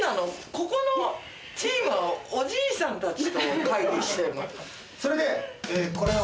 ここのチームはおじいさんたちと会議してんの？